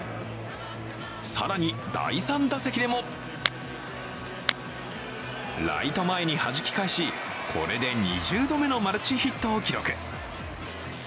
更に、第３打席でもライト前にはじき返し、これで２０度目のマルチヒットを記録。